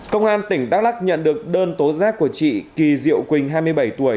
công an tỉnh đắk lắc nhận được đơn tố giác của chị kỳ diệu quỳnh hai mươi bảy tuổi